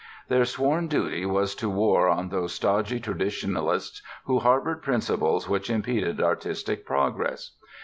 Their sworn duty was to war on those stodgy traditionalists who harbored principles which impeded artistic progress.